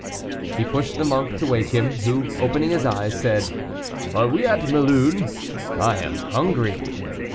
He pushed the monk to wake him, who, opening his eyes, said, "Are we at Mélun? I am hungry."